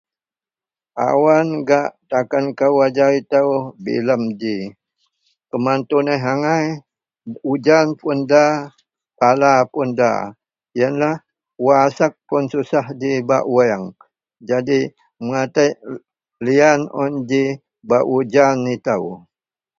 awan gak takan kou ajau itou bilem ji, kuman tuneh agai ujan pun da pala pun da, ienlah wak asek pun susah ji bak wuang jadi matek lian un ji bak ujan itou